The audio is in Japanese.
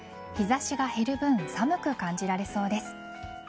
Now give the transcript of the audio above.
日差しが減る分寒く感じられそうです。